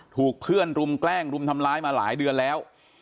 ถูกเพื่อนรุมแกล้งรุมทำร้ายมาหลายเดือนแล้ว